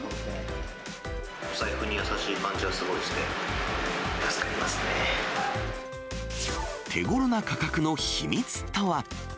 お財布に優しい感じはすごい手ごろな価格の秘密とは。